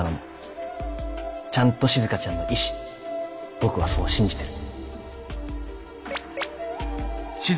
僕はそう信じてる。